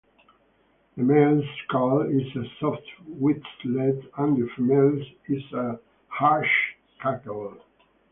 The male's call is a soft whistle, and the female's is a harsh cackle.